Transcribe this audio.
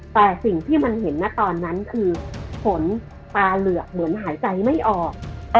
แต่สิ่งที่มันเห็นนะตอนนั้นคือฝนตาเหลือกเหมือนหายใจไม่ออก